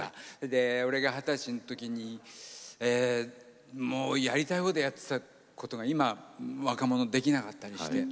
で俺が二十歳の時にやりたい放題やってたことが今若者できなかったりして。